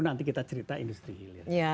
nanti kita cerita industri hilir